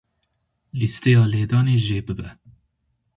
Lîsteya lêdanê jê bibe.